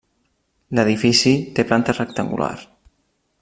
L'edifici té planta rectangular.